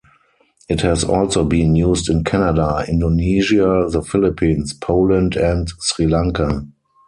It has also been used in Canada, Indonesia, the Philippines, Poland and Sri Lanka.